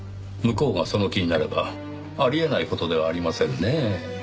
向こうがその気になればあり得ない事ではありませんねぇ。